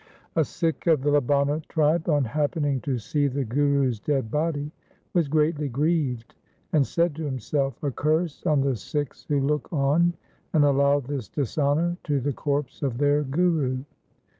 A Sikh of the Labana tribe, on happening to see the Guru's dead body was greatly grieved, and said to himself :' A curse on the Sikhs who look on and allow this dishonour to the corpse of their Guru !